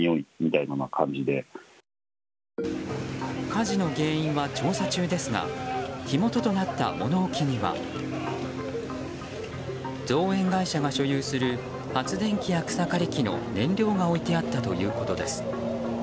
火事の原因は調査中ですが火元となった物置には造園会社が所有する発電機や草刈り機の燃料が置いてあったということです。